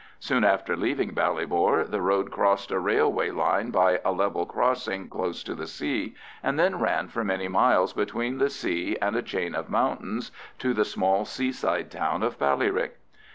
Soon after leaving Ballybor the road crossed a railway line by a level crossing close to the sea, and then ran for many miles between the sea and a chain of mountains to the small seaside town of Ballyrick.